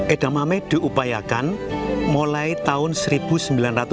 edamame diupayakan mulai tahun seribu sembilan ratus sembilan puluh dua itu trial awalnya